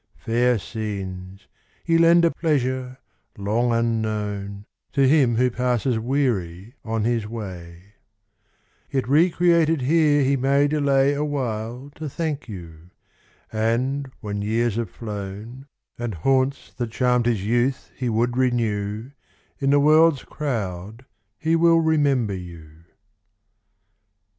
Fair scenes, ye lend a pleasure, long unknown, To him who passes weary on his way; Yet recreated here he may delay A while to thank you; and when years have flown, And haunts that charmed his youth he would renew, In the world's crowd he will remember you.